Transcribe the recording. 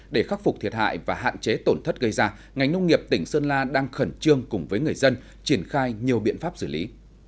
để khắc phục thiệt hại và hạn chế tổn thất gây ra ngành nông nghiệp tỉnh sơn la đang khẩn trương cùng với người dân triển khai nhiều biện pháp xử lý